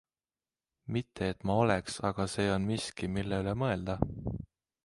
Mitte et ma oleks, aga see on miski, mille üle mõelda.